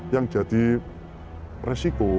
yang jadi resiko